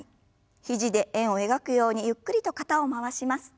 肘で円を描くようにゆっくりと肩を回します。